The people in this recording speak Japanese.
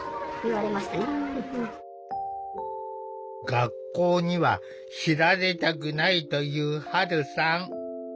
学校には知られたくないというはるさん。